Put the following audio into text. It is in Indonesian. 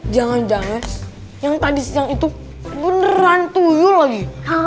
jangan jangan yang tadi siang itu beneran dulu lagi